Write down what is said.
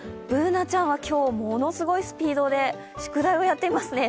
Ｂｏｏｎａちゃんは今日、ものすごいスピードで宿題をやっていますね。